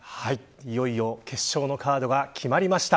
いよいよ決勝のカードが決まりました。